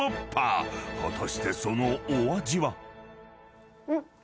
［果たしてそのお味は？］